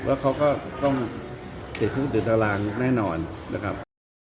แล้วเขาก็ต้องติดคุกติดตารางแน่นอนนะครับ